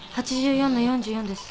８４の４４です。